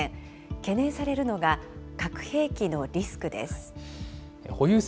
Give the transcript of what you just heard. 懸念されるのが、核兵器のリスクです。